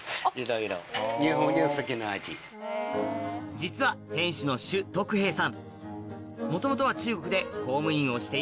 実は店主の朱徳平さん